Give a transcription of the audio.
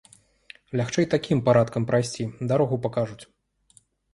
Лягчэй такім парадкам прайсці, дарогу пакажуць.